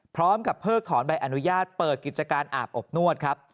เพิกถอนใบอนุญาตเปิดกิจการอาบอบนวดครับ